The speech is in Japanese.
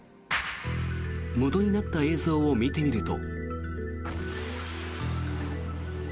元になった映像を見てみると。